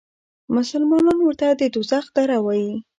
مسلمانان ورته د دوزخ دره وایي.